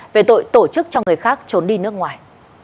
về tội tổ chức cho người khác trốn đi nước ngoài